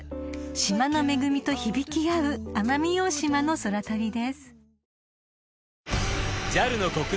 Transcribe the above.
［島の恵みと響き合う奄美大島の空旅です］